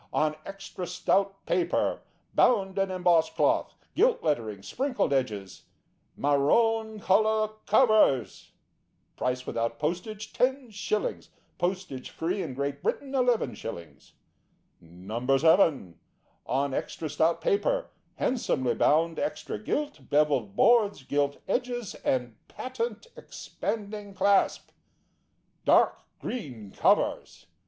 On extra stout paper, bound in embossed cloth, gilt lettering, sprinkled edges. Marone colour covers. Price without postage, 10/ ; post free in Great Britain, 11/ . No. 7. On extra stout paper, handsomely bound, extra gilt, bevelled boards, gilt edges, and patent expanding clasp. Dark green covers.